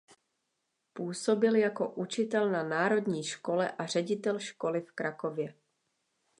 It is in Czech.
Působil jako učitel na národní škole a ředitel školy v Krakově.